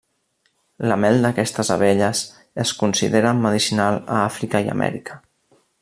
La mel d'aquestes abelles es considera medicinal a Àfrica i Amèrica.